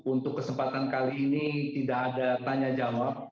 untuk kesempatan kali ini tidak ada tanya jawab